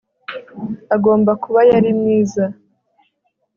agomba kuba yari mwiza